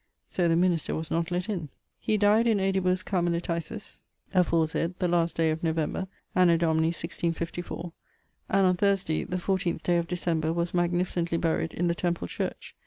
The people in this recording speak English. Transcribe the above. So the minister was not let in. He dyed in Aedibus Carmeliticis (aforesayd) the last day of November, Anno Domini 1654; and on Thursday, the 14th day of December, was magnificently buryed in the Temple church.